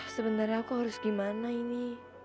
sebenarnya aku harus gimana ini